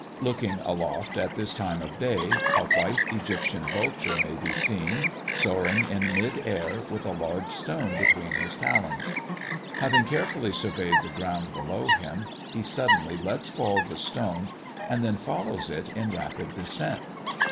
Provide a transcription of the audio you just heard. Looking aloft at this time of day, a white Egyptian vulture may be seen, soaring in mid air, with a large stone between his talons. Having carefully surveyed the ground below him, he suddenly lets fall the stone, and then follows it in rapid descent.